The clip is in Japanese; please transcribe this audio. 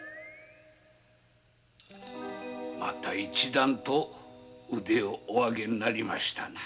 また一段と腕をお上げになりましたな。